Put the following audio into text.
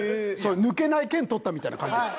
抜けない剣取ったみたいな感じでした。